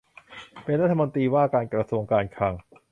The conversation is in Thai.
เป็นรัฐมนตรีว่าการกระทรวงการคลัง